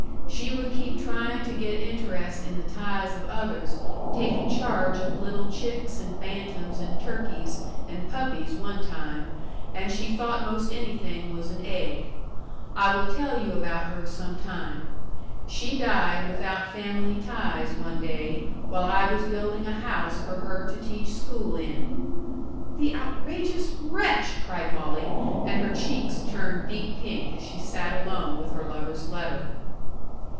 She would keep trying to get interest in the ties of others taking charge of little chicks and bantams and turkeys and puppies one time, and she thought most anything was an egg. I will tell you about her sometime. She died without family ties one day while I was building a house for her to teach school in. ("The outrageous wretch!" cried Molly! And her cheeks turned deep pink as she sat alone with her lover's letter.)